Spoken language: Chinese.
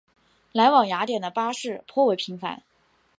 来往雅典的巴士颇为频繁。